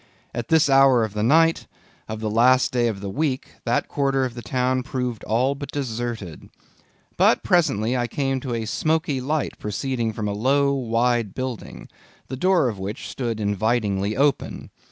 At this hour of the night, of the last day of the week, that quarter of the town proved all but deserted. But presently I came to a smoky light proceeding from a low, wide building, the door of which stood invitingly open.